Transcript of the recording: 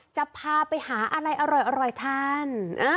จะพาไปหาอะไรอร่อยทาน